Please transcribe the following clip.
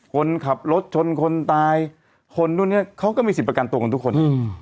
คนขับรถชนคนตายคนนู่นเนี่ยเขาก็มีสิทธิประกันตัวกันทุกคน